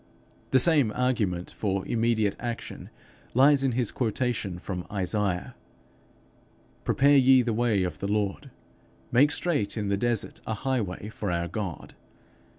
The same argument for immediate action lies in his quotation from Isaiah, 'Prepare ye the way of the Lord; make straight in the desert a highway for our God.'